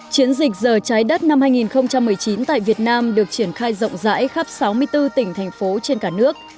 chiến dịch giờ trái đất năm hai nghìn một mươi chín tại việt nam được triển khai rộng rãi khắp sáu mươi bốn tỉnh thành phố trên cả nước